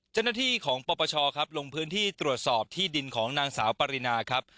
เจ้าหน้าที่ของปปชครับลงพื้นที่ตรวจสอบที่ดินของนางสาวปรินาครับ